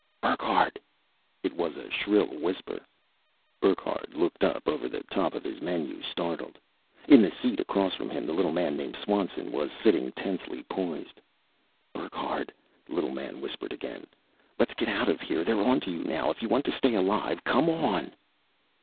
"Burckhardt!" It was a shrill whisper. Burckhardt looked up over the top of his menu, startled. In the seat across from him, the little man named Swanson was sitting, tensely poised. "Burckhardt!" the little man whispered again. "Let's get out of here! They're on to you now. If you want to stay alive, come on!"